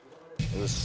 よし！